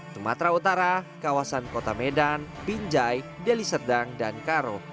sumatera utara kawasan kota medan pinjai deliserdang dan karo